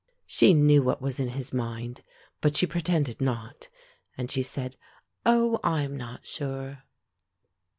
She knew what was in his mind, but she pretended not, and she said, "Oh, I am not sure."